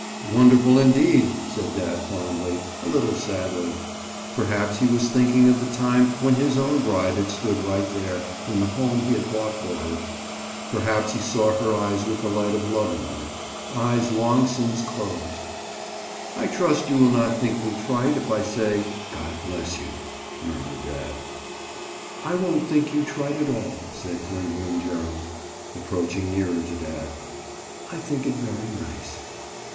"Wonderful, indeed," said dad fondly, a little sadly. Perhaps he was thinking of the time when his own bride had stood right there, in the home he had bought for her. Perhaps he saw her eyes with the light of love in them—eyes long since closed. "I trust you will not think me trite if I say, God bless you," murmured dad. "I won't think you trite at all," said Gwendoline Gerald, approaching nearer to dad. "I think it very nice."